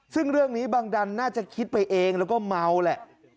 ซึ่งเรื่องนี้บังดันน่าจะคิดไปเองแล้วก็เมาแหละ